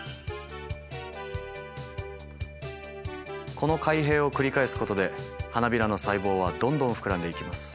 この開閉を繰り返すことで花びらの細胞はどんどん膨らんでいきます。